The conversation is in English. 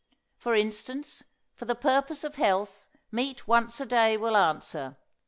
For instance, for the purpose of health meat once a day will answer.